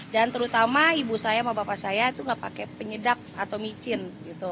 dan terutama ibu saya sama bapak saya itu nggak pakai penyedap atau micin gitu